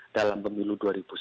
dalam pemilu dua ribu sembilan belas